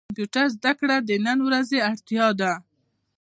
کمپيوټر زده کړه د نن ورځي اړتيا ده.